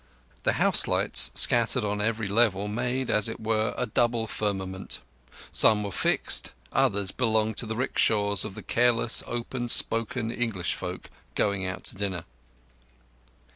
The house lights, scattered on every level, made, as it were, a double firmament. Some were fixed, others belonged to the "rickshaws of the careless, open spoken English folk, going out to dinner.